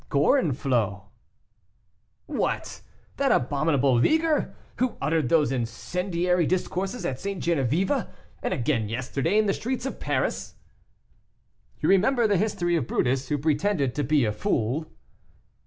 "Gorenflot." "What! that abominable leaguer, who uttered those incendiary discourses at St. Genevieve, and again yesterday in the streets of Paris?" "You remember the history of Brutus, who pretended to be a fool?"